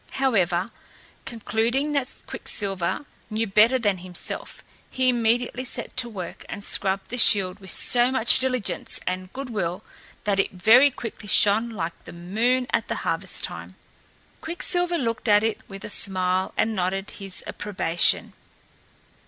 However, concluding that Quicksilver knew better than himself, he immediately set to work and scrubbed the shield with so much diligence and good will that it very quickly shone like the moon at harvest time. Quicksilver looked at it with a smile and nodded his approbation.